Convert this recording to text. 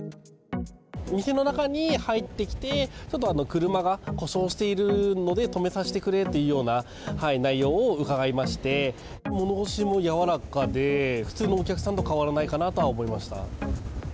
店の中に入ってきて、ちょっと車が故障しているので、止めさせてくれっていうような内容を伺いまして、物腰も柔らかで、普通のお客さんと変わらないかなとは思いました。